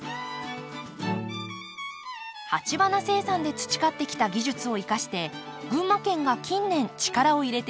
鉢花生産で培ってきた技術を生かして群馬県が近年力を入れているのがカーネーション。